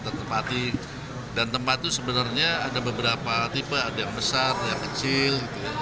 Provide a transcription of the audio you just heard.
tetap mati dan tempat itu sebenarnya ada beberapa tipe ada yang besar ada yang kecil